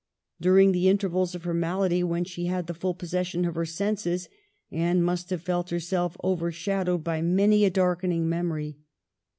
During the intervals of her malady, when she had the full possession of her senses, Anne must have felt herseK overshadowed by many a darkening memory.